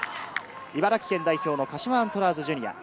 茨城県代表の鹿島アントラーズジュニア。